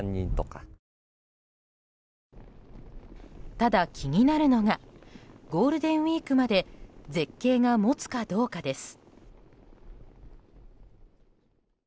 ただ、気になるのがゴールデンウィークまで絶景が持つかどうかです。